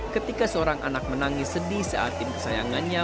ketika seorang anak menangis sedih saat tim kesayangannya